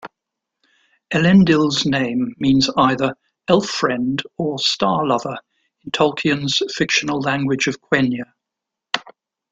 Elendil's name means either "Elf-friend" or "Star-lover" in Tolkien's fictional language of Quenya.